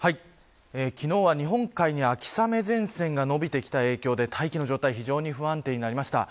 昨日は日本海に秋雨前線が延びてきた影響で大気の状態非常に不安定になりました。